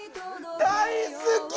「大好き」！